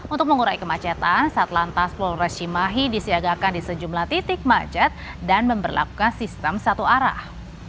untuk mengurai kemacetan satlantas polres cimahi disiagakan di sejumlah titik macet dan memperlakukan sistem satu arah